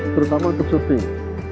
terutama untuk surfing